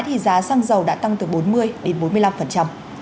thì giá xăng dầu đã tăng từ bốn mươi đến bốn mươi năm